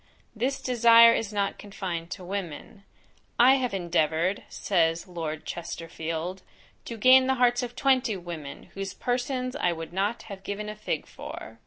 This desire is not confined to women; "I have endeavoured," says Lord Chesterfield, "to gain the hearts of twenty women, whose persons I would not have given a fig for."